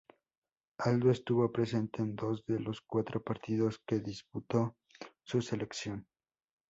Aldo estuvo presente en dos de los cuatro partidos que disputó su selección.